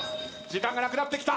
時間がなくなってきた。